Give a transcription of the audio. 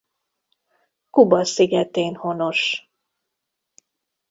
Kuba szigetén honos.